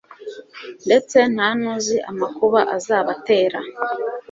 ndetse nta n’uzi amakuba azabatera